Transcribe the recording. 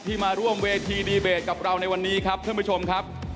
มาร่วมเวทีดีเบตกับเราในวันนี้ครับท่านผู้ชมครับ